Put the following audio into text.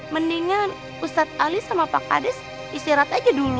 mendingan ustadz ali sama pak kades istirahat aja dulu